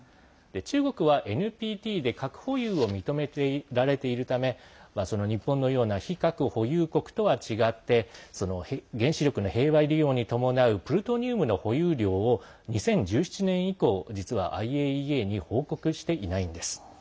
中国はＮＰＴで核保有を認められているため日本のような非核保有国とは違って原子力の平和利用に伴うプルトニウムの保有量を２０１７年以降、実はＩＡＥＡに報告していないんです。